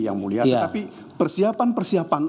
yang mulia tetapi persiapan persiapan